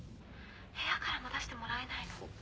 部屋からも出してもらえないの。